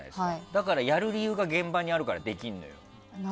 だからやる理由が現場にあるからできるのよ。